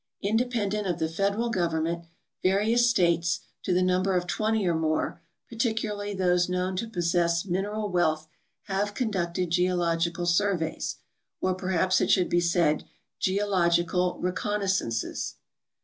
Independent of the Federal government, various states, to the number of 20 or more, particularly those known to possess min GEOGRAPHICAL RESEARCH IN THE UNITED STATES 293 eral wealth, have conducted geological surveys, or perhaps it should be said geological reconnaissances.